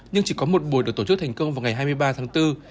nhưng chỉ có một buổi được tổ chức thành công vào ngày hai mươi ba tháng bốn